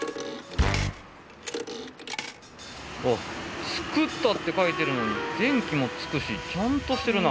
あっ「作った」って書いてるのに電気もつくしちゃんとしてるな。